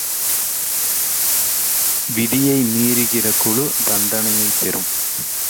விதியை மீறுகிற குழு தண்டனை பெறும்.